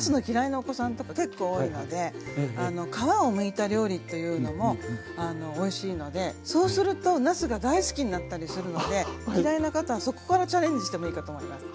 なお子さんとか結構多いので皮をむいた料理というのもおいしいのでそうするとなすが大好きになったりするので嫌いな方はそこからチャレンジしてもいいかと思います。